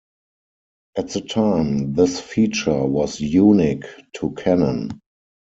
At the time, this feature was unique to Canon.